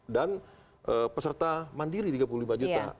dan peserta mandiri tiga puluh lima juta